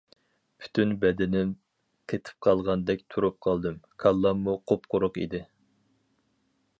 پۈتۈن بەدىنىم قېتىپ قالغاندەك تۇرۇپ قالدىم، كاللاممۇ قۇپقۇرۇق ئىدى.